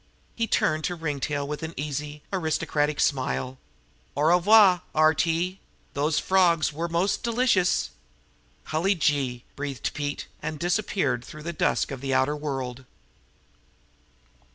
He turned to Ringtail with an easy, aristocratic smile: "Au revoir, R.T.! Those frawgs were most delicious!" "Hully gee!" breathed Pete, and disappeared through the dusk of the outer world.